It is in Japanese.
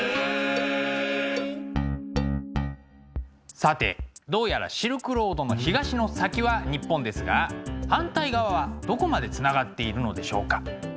さてどうやらシルクロードの東の先は日本ですが反対側はどこまでつながっているのでしょうか？